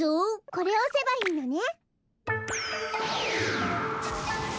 これをおせばいいのね。